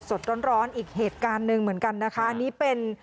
สดร้อนร้อนอีกเหตุการณ์หนึ่งเหมือนกันนะคะอันนี้เป็น